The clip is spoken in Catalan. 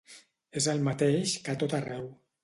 És el mateix que a tot arreu.